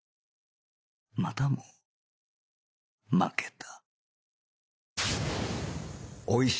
またも負けた